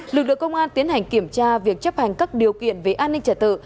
lực lượng công an tiến hành kiểm tra việc chấp hành các điều kiện về an ninh trả tự